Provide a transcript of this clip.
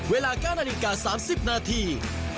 เวลาการณีการ๓๐นาที